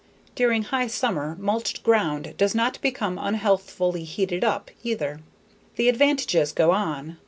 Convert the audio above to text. During high summer, mulched ground does not become unhealthfully heated up either. The advantages go on.